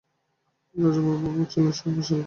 রাজারামবাবু ছিলেন শর্মিলার বাপ।